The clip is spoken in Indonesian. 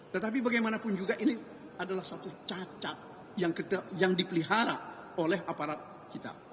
tetapi bagaimanapun juga ini adalah satu cacat yang dipelihara oleh aparat kita